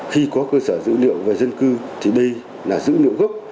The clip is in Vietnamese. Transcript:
khi có cơ sở dữ liệu về dân cư thì đây là dữ liệu gốc